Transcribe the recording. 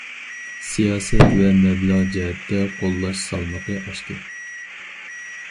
سىياسەت ۋە مەبلەغ جەھەتتە قوللاش سالمىقى ئاشتى.